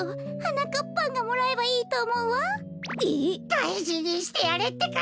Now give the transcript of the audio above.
だいじにしてやれってか！